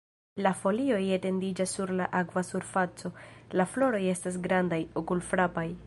La folioj etendiĝas sur la akva surfaco, la floroj estas grandaj, okulfrapaj.